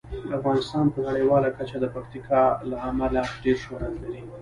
افغانستان په نړیواله کچه د پکتیکا له امله ډیر شهرت لري.